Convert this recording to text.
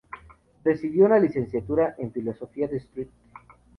Recibió una licenciatura en filosofía de St.